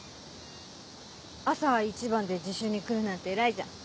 朝一番で自習に来るなんて偉いじゃん。